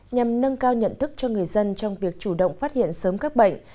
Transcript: nhằm nâng cao nhận thức cho người dân trong việc chủ động phát hiện sớm các bệnh